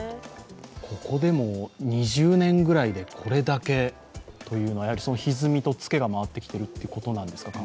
ここでも、２０年ぐらいでこれだけというのはやはりひずみとツケが回ってきてるということですか？